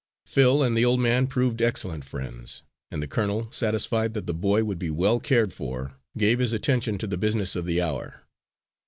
Phil and the old man proved excellent friends, and the colonel, satisfied that the boy would be well cared for, gave his attention to the business of the hour.